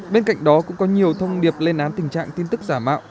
bên cạnh đó cũng có nhiều thông điệp lên án tình trạng tin tức giả mạo